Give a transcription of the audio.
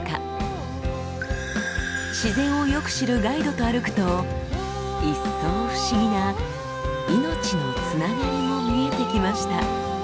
自然をよく知るガイドと歩くといっそう不思議な命のつながりも見えてきました。